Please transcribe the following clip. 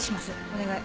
お願い。